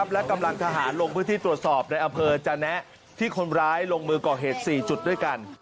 และกำลังทหารลงพื้นที่ตรวจสอบในอำเภอจาแนะที่คนร้ายลงมือก่อเหตุ๔จุดด้วยกัน